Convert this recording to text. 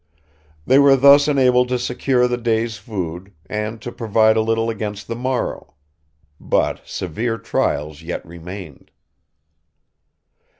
They were thus enabled to secure the day's food, and to provide a little against the morrow. But severe trials yet remained.